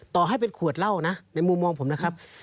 ต่อให้เป็นขวดเหล้านะในมุมมองผมนะครับ